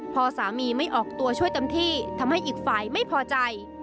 พอสามีไม่ออกตัวช่วยเต็มที่ทำให้อีกฝ่ายไม่พอใจ